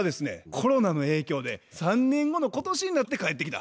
コロナの影響で３年後の今年になって帰ってきた。